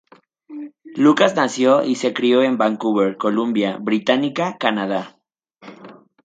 Lucas nació y se crio en Vancouver, Columbia Británica, Canadá.